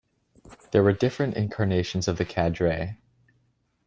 There were different incarnations of the Cadre.